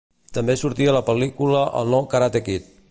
També sortia a la pel·lícula "El nou Karate Kid".